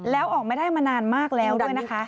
แล้วออกไม่ได้มานานมากแล้วด้วยนะคะ